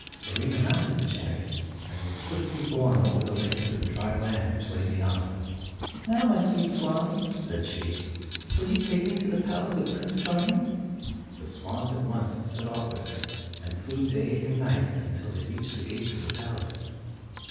Fiorina mounted the chariot, and was swiftly borne over the lake to the dry land which lay beyond. "Now, my sweet swans," said she, "will you take me to the palace of Prince Charming?" The swans at once set off with her, and flew day and night until they reached the gates of the palace.